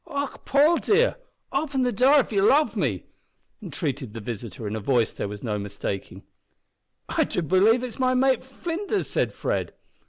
"Och! Paul, dear, open av ye love me," entreated the visitor, in a voice there was no mistaking. "I do believe it's my mate Flinders!" said Fred.